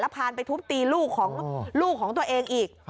แล้วพาไปทุบตีลูกของตัวเองอีก